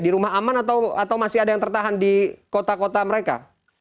di rumah aman atau masih ada yang tertahan di kota kota mereka